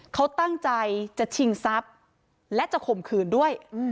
เขาตั้งใจจะชิงทรัพย์และจะข่มขืนด้วย